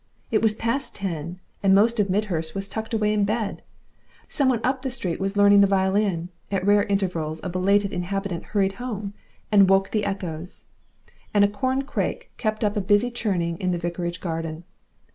It was past ten, and most of Midhurst was tucked away in bed, some one up the street was learning the violin, at rare intervals a belated inhabitant hurried home and woke the echoes, and a corncrake kept up a busy churning in the vicarage garden.